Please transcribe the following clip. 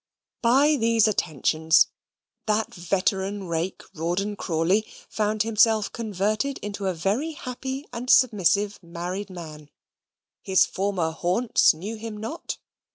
By these attentions, that veteran rake, Rawdon Crawley, found himself converted into a very happy and submissive married man. His former haunts knew him not.